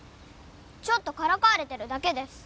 ちょっとからかわれてるだけです